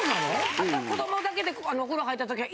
あとは子どもだけでお風呂入ったときは。